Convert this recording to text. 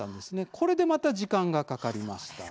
これで、また時間がかかりました。